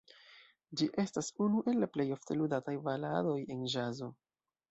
Ĝi estas unu el la plej ofte ludataj baladoj en ĵazo.